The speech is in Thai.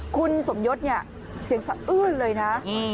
คุณสมยศเนี่ยเสียงสะอื้นเลยนะ